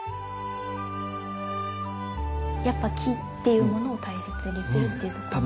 やっぱ木っていうものを大切にするっていうところですか？